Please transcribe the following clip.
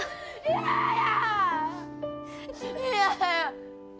嫌や！